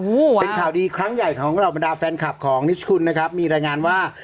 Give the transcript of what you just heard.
โอ้โหเป็นข่าวดีครั้งใหญ่ของเหล่าบรรดาแฟนคลับของนิชชุนนะครับมีรายงานว่า